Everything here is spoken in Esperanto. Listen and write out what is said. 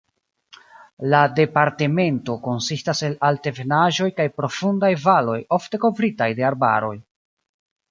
La departemento konsistas el altebenaĵoj kaj profundaj valoj ofte kovritaj de arbaroj.